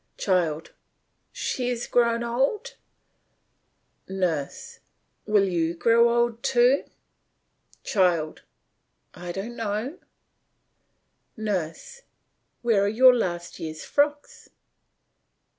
CHILD: She has grown old. NURSE: Will you grow old too? CHILD: I don't know. NURSE: Where are your last year's frocks?